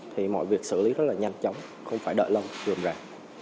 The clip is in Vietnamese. thì mọi việc xử lý rất là nhanh chóng không phải đợi lâu rùm ràng